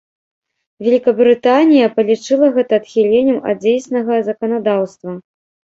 Вялікабрытанія палічыла гэта адхіленнем ад дзейснага заканадаўства.